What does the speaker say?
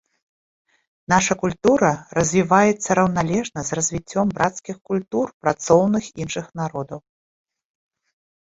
Наша культура развіваецца раўналежна з развіццём брацкіх культур працоўных іншых народаў.